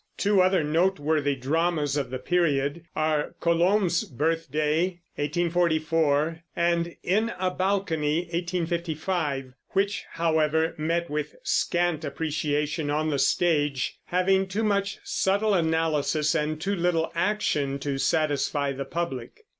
Two other noteworthy dramas of the period are Colombe's Birthday (1844) and In a Balcony (1855), which, however, met with scant appreciation on the stage, having too much subtle analysis and too little action to satisfy the public.